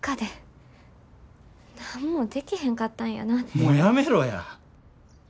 もうやめろや！